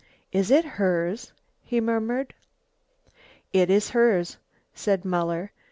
"It is hers?" he murmured. "It is hers," said Muller.